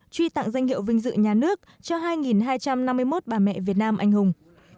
truy tặng danh hiệu vinh dự nhà nước cho hai hai trăm năm mươi một bà mẹ việt nam anh hùng